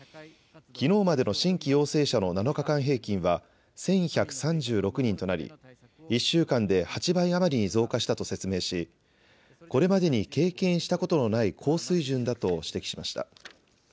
きのうまでの新規陽性者の７日間平均は１１３６人となり、１週間で８倍余りに増加したと説明し、これまでに経験したことのない高水準だと指摘しました。